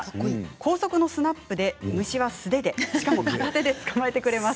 高速のスナップで、虫は素手でしかも片手で捕まえてくれます。